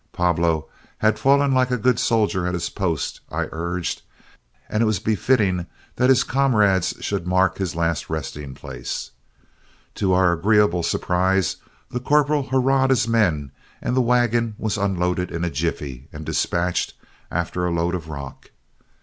Pablo had fallen like a good soldier at his post, I urged, and it was befitting that his comrades should mark his last resting place. To our agreeable surprise the corporal hurrahed his men and the wagon was unloaded in a jiffy and dispatched after a load of rock.